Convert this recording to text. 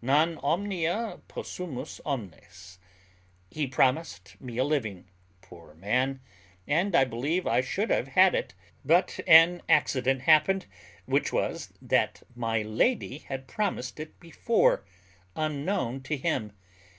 Non omnia possumus omnes. He promised me a living, poor man! and I believe I should have had it, but an accident happened, which was, that my lady had promised it before, unknown to him.